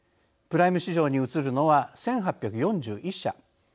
プライム市場に移るのは１，８４１社。